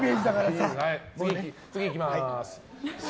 次いきます。